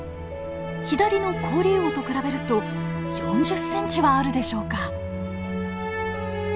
左のコオリウオと比べると４０ｃｍはあるでしょうか。